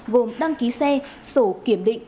gồm đăng ký xe sổ kiểm định